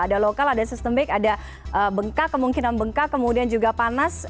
ada lokal ada sistemik ada bengkak kemungkinan bengkak kemudian juga panas